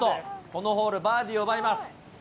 このホールバーディーを奪います。